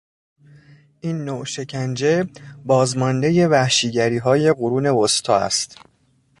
این نوع شکنجه بازماندهی وحشیگریهای قرون وسطی است.